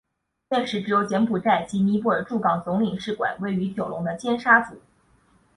现时只有柬埔寨及尼泊尔驻港总领事馆位于九龙的尖沙咀。